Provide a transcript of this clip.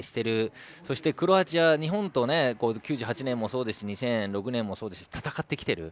そして、クロアチアは日本と９８年もそうですし２００６年もそうですし戦ってきている。